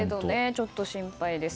ちょっと心配です。